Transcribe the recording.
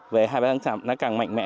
về hà văn thạm nó càng mạnh mẽ